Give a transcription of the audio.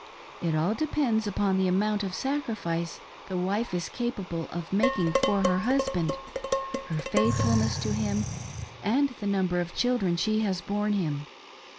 It all depends upon the amount of sacrifice the wife is capable of making for her husband, her faithfulness to him, and the number of children she has borne him.